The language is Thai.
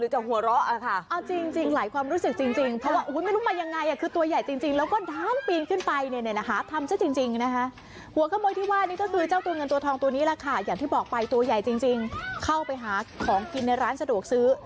เจ้าเงินตัวทองตัวนี้แหละค่ะอย่างที่บอกไปตัวใหญ่จริงเข้าไปหาของกินในร้านสะดวกซื้อ